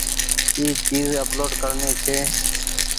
اي چيز اپلوڊ ڪرڻي ڇي۔